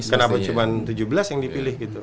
kenapa cuma tujuh belas yang dipilih gitu